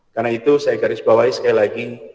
karena itu saya garisbawahi sekali lagi